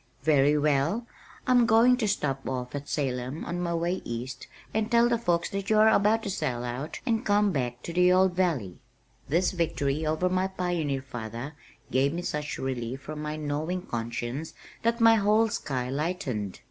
"Very well. I'm going to stop off at Salem on my way East and tell the folks that you are about to sell out and come back to the old valley." This victory over my pioneer father gave me such relief from my gnawing conscience that my whole sky lightened.